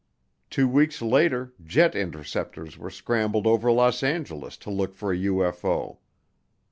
Two weeks later jet interceptors were scrambled over Los Angeles to look for a UFO.